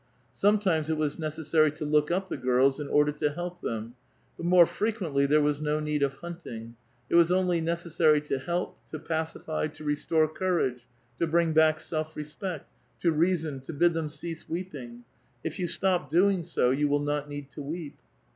Sometimes it was necessary to look up the girls in order to help them ; but more frequently tliere was no need of hunting ; it was only necessary to heli), to pacify, to restore courage, to bring back self respect, to reason, to bid tliem cease weeping, — "If you stop doing so, you will not need to weep."